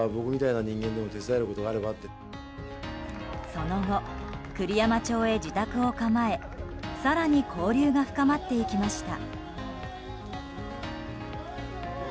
その後、栗山町へ自宅を構え更に交流が深まっていきました。